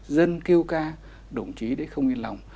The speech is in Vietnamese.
dân kêu ca đồng chí đấy không yên lòng